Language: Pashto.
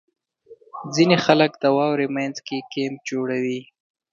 • ځینې خلک د واورې مینځ کې کیمپ جوړوي.